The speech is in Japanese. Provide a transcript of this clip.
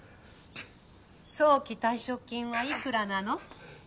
早期退職金は幾らなの？